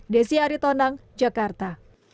desi aritondang jakarta